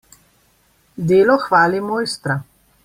Delo hvali mojstra.